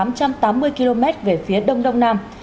vùng gần tâm bão năm trăm tám mươi km về phía đông đông nam